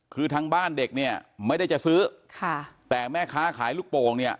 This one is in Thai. คือทางบ้านเด็กเนี่ยไม่ได้จะซื้อค่ะแต่แม่ค้าขายลูกโป่งเนี่ย